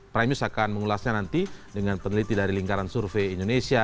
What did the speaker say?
prime news akan mengulasnya nanti dengan peneliti dari lingkaran survei indonesia